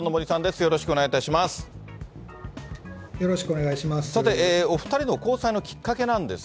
よろしくお願いします。